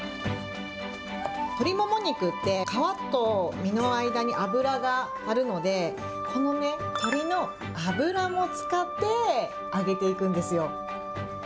鶏もも肉って、皮と身の間に脂があるので、この鶏の脂も使って揚げていくんですよ。